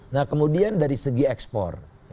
nah kemudian dari segi ekspor